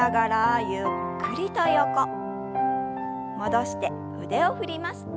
戻して腕を振ります。